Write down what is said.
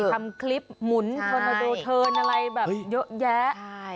ทำคลิปหมุนถนนอะไรแบบอยู่แยะใช่